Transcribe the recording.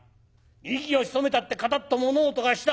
息を潜めたってカタッと物音がした。